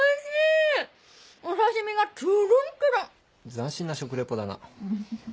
斬新な食レポだな。